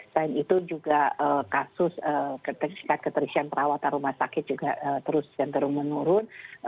selain itu juga kasus ketersian perawatan rumah sakit juga terus dan terung menurun